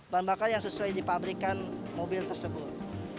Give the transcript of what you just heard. bahan bakar yang sesuai dipabrikan mobil tersebut